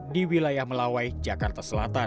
di wilayah melawai jakarta